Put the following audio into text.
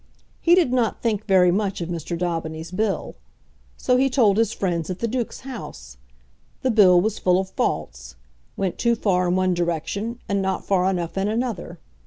He did not think very much of Mr. Daubeny's Bill. So he told his friends at the Duke's house. The Bill was full of faults, went too far in one direction, and not far enough in another.